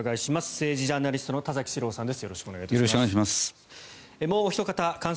政治ジャーナリストの田崎史郎さんです。